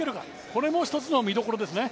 これも一つの見どころですね。